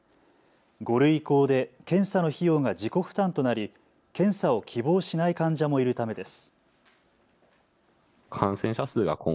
５類移行で検査の費用が自己負担となり検査を希望しない患者もいるためです。